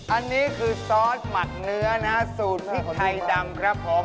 อันนี้คือซอสหมักเนื้อนะฮะสูตรพริกไทยดำครับผม